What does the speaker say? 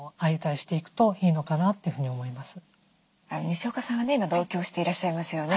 にしおかさんは今同居してらっしゃいますよね？